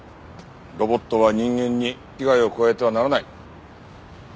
ロボットは人間に危害を加えてはならない。